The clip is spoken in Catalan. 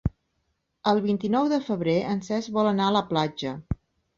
El vint-i-nou de febrer en Cesc vol anar a la platja.